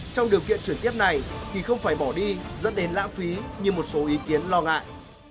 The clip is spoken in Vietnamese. trong điều kiện chuyển tiếp này thì không phải bỏ đi dẫn đến lãng phí như một số ý kiến lo ngại